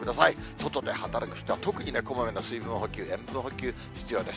外で働く人は、特にね、こまめな水分補給や塩分補給、必要です。